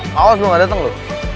maus lu ga dateng lu